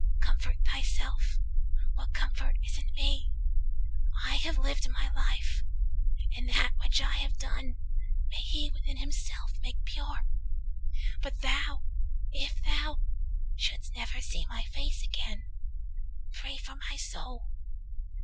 Comfort thyself: what comfort is in me? I have lived my life, and that which I have done May He within Himself make pure! but thou, 245 If thou shouldst never see my face again, Pray for my soul.